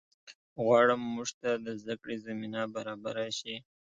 غواړم مونږ ته د زده کړې زمینه برابره شي